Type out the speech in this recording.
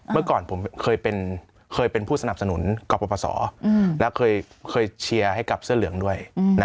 เมื่อก่อนผมเคยเป็นผู้สนับสนุนกรปศและเคยเชียร์ให้กับเสื้อเหลืองด้วย